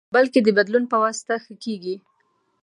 بلکې د بدلون پواسطه ښه کېږي.